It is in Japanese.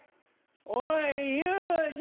おい雄二。